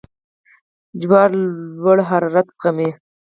جوار لوړ حرارت زغمي.